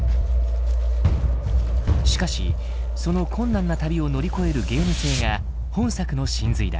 しかしその困難な旅を乗り越えるゲーム性が本作の神髄だ。